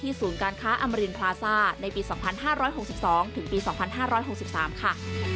ศูนย์การค้าอมรินพลาซ่าในปี๒๕๖๒ถึงปี๒๕๖๓ค่ะ